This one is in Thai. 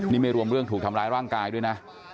นี่ไม่รวมเรื่องถูกทำร้ายร่างกายด้วยนะ